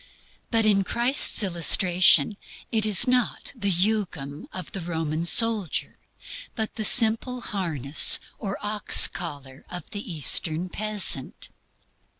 But in Christ's illustration it is not the jugum of the Roman soldier, but the simple "harness" or "ox collar" of the Eastern peasant.